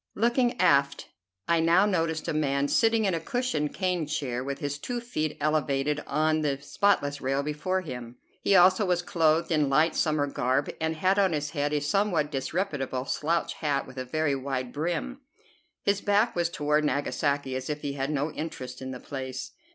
Looking aft, I now noticed a man sitting in a cushioned cane chair, with his two feet elevated on the spotless rail before him. He also was clothed in light summer garb, and had on his head a somewhat disreputable slouch hat with a very wide brim. His back was toward Nagasaki, as if he had no interest in the place.